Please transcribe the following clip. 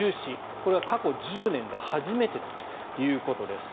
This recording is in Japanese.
これは過去１０年で初めてということです。